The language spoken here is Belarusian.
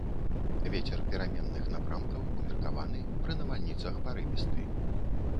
Вецер пераменных напрамкаў умеркаваны, пры навальніцах парывісты.